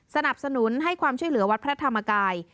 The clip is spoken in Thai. สนับสนุนให้ความช่วยเหลือวัดพระธรรมกาย